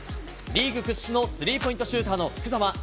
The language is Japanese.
リーグ屈指のスリーポイントシューターの福澤。